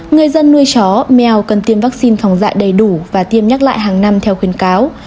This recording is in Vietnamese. người dân nuôi chó mèo cần tiêm vaccine phòng dạy đầy đủ và tiêm nhắc lại hàng năm theo khuyến cáo